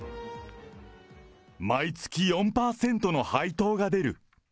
毎月４％の配当が出る。